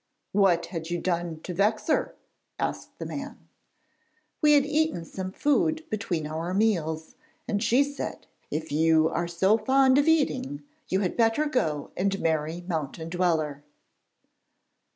'What had you done to vex her?' asked the man. 'We had eaten some food between our meals, and she said, "If you are so fond of eating, you had better go and marry Mountain Dweller."'